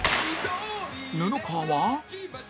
布川は